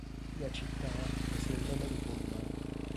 La città prese il nome di Pullman.